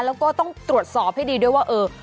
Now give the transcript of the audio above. แล้วก็ต้องตรวจสอบให้ดีด้วยว่าเออ